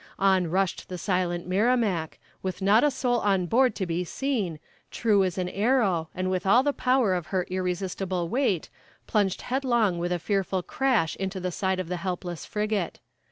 On rushed the silent Merrimac, with not a soul on board to be seen, true as an arrow, and with all the power of her irresistible weight, plunged headlong with a fearful crash into the side of the helpless frigate.